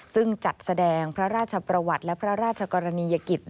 ซึ่งจัดแสดงพระราชประวัติและพระราชกรณียกิจ